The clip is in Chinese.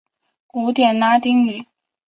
古典拉丁语。